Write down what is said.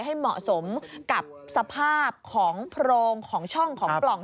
ให้เหมาะสมกับสภาพของโพรงของช่องของปล่อง